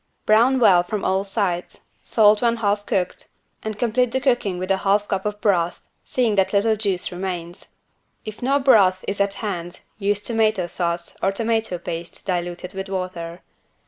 Brown well from all sides, salt when half cooked and complete the cooking with a half cup of broth, seeing that little juice remains. If no broth is at hand, use tomato sauce, or tomato paste diluted with water.